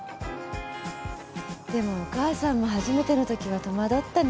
でもお母さんも初めてのときは戸惑ったなぁ。